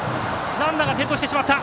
ランナー、転倒してしまった。